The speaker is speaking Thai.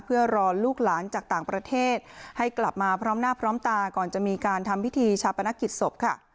เพื่อรอลูกหลานจากต่างประเทศให้กลับมาพร้อมหน้าพร้อมตาก่อนจะมีการทำพิธีชาปนกิจศพค่ะ